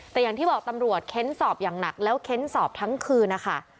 แต่อย่างที่บอกตำรวจเค้นสอบอย่างหนักแล้วเค้นสอบทั้งคืนนะคะ